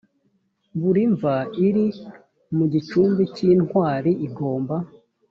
buri mva iri mu gicumbi cy intwari igomba